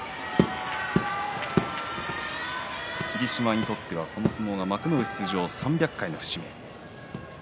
霧島にとってはこの相撲幕内３００回の節目になります。